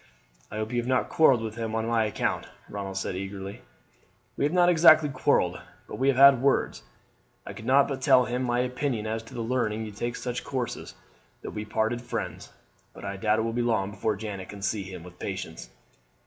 "I hope you have not quarrelled with him on my account!" Ronald said eagerly. "We have not exactly quarrelled, but we have had words. I could not but tell him my opinion as to his learning you to take such courses, but we parted friends; but I doubt it will be long before Janet can see him with patience."